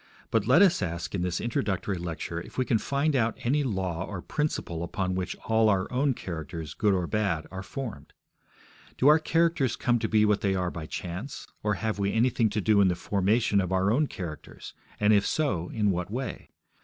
But let us ask in this introductory lecture if we can find out any law or principle upon which all our own characters, good or bad, are formed. Do our characters come to be what they are by chance, or have we anything to do in the formation of our own characters, and if so, in what way?